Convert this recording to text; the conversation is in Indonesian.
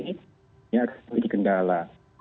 ini akan menjadi kendala